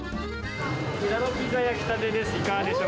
ミラノピザ焼きたてです。